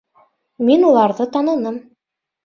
Мин уларҙы таныным.